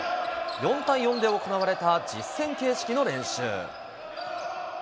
４対４で行われた実戦形式の練習。